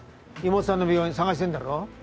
妹さんの病院探してるんだろ？